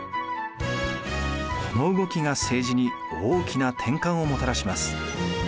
この動きが政治に大きな転換をもたらします。